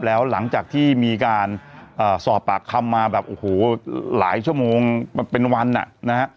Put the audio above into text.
แล้วหลังจากที่มีการสอบปากคำมาหลายชั่วโมงเป็นวัน